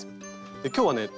で今日はね